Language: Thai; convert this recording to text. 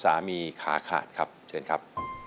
ขาขาดครับเชิญครับ